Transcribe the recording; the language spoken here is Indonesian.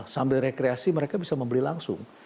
sambil rekreasi mereka bisa membeli langsung